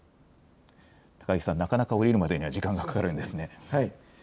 高木さん、なかなか降りるまでには時間がかかるんですね。